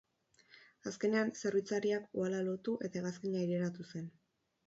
Azkenean, zerbitzariak uhala lotu eta hegazkina aireratu zen.